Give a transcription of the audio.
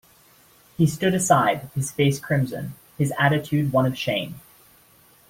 He stood aside, his face crimson, his attitude one of shame.